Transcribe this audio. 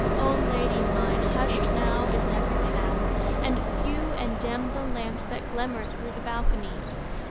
O lady, mine, Hushed now is every path, and few and dim The lamps that glimmer through the balconies.